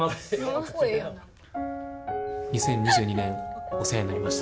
２０２２年お世話になりました。